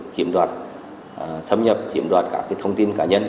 thì cần phải xâm nhập chiếm đoạt các thông tin cá nhân